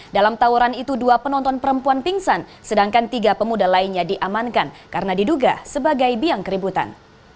dalam tawuran itu dua penonton perempuan pingsan sedangkan tiga pemuda lainnya diamankan karena diduga sebagai biang keributan